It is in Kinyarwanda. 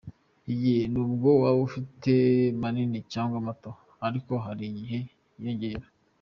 Igihe: nubwo waba ufite manini cyangwa mato, ariko hari igihe yiyongera.